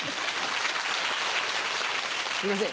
すいません